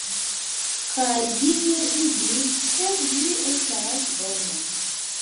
Kaj Dio vidis, ke ĝi estas bona.